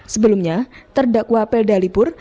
sebelumnya terdakwa peldalipur